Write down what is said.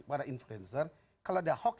para influencer kalau ada hoax